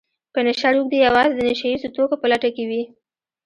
په نشه روږدي يوازې د نشه يیزو توکو په لټه کې وي